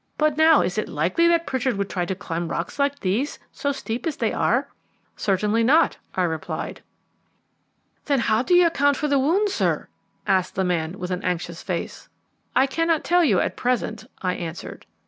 But now, is it likely that Pritchard would try to climb rocks like these, so steep as they are?" "Certainly not," I replied. "Then how do you account for the wound, sir?" asked the man with an anxious face. "I cannot tell you at present," I answered.